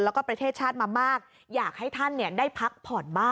แล้วก็ประเทศชาติมามากอยากให้ท่านได้พักผ่อนบ้าง